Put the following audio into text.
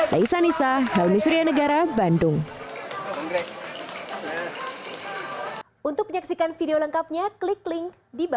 laisa nisa helmi surya negara bandung